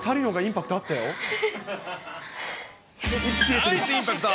ナイスインパクト。